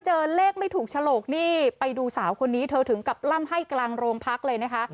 เจอเลขไม่ถูกฉลกนี่ไปดูสาวคนนี้เธอถึงกับล่ำให้กลางโรงพักเลยนะคะ